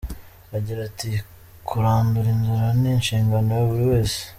Agira ati "Kurandura inzara ni inshingano ya buri wese.